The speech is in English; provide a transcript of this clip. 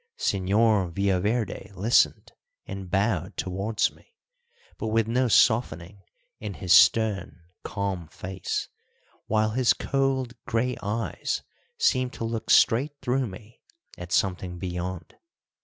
Señor Villaverde listened and bowed towards me, but with no softening in his stern, calm face, while his cold grey eyes seemed to look straight through me at something beyond.